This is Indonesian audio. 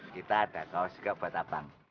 kita ada kaos juga buat abang